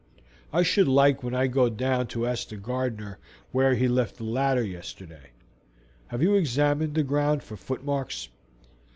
I should like when I go down to ask the gardener where he left the ladder yesterday. Have you examined the ground for footmarks?"